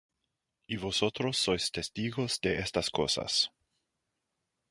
Y vosotros sois testigos de estas cosas.